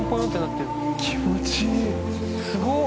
気持ちいい。